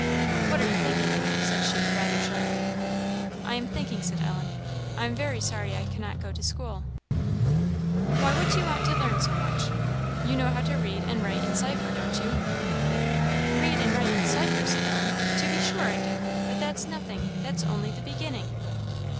"What are you thinking of?" said she, rather sharply. "I am thinking," said Ellen, "I am very sorry I cannot go to school." "Why, what do you want to learn so much? you know how to read and write and cipher, don't you?" "Read and write and cipher!" said Ellen "to be sure I do; but that's nothing; that's only the beginning."